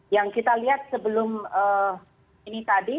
yang kita lihat sebelum ini tadi